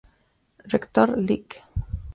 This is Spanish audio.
Rector: Lic.